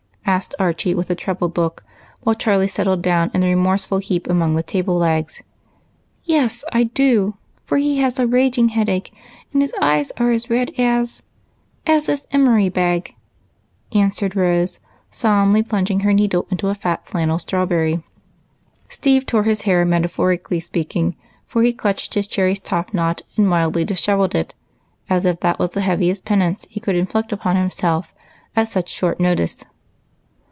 " asked Archie, with a troubled look, while Charlie settled down in a remorseful heap among the table legs. " Yes, I do, for he has got a raging headache, and his eyes are as red as — as this emery bag," answered Rose, solemnly plunging her needle into a fat flannel strawberry. ''THE OTHER FELLOWS^ 137 Steve tore his hair, metaphorically speaking, for he clutched his cherished top knot and wildly dishev elled it, as if that was the heaviest penance he could inflict upon himself at such short notice.